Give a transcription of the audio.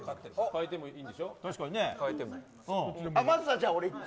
代えてもいいんですよ。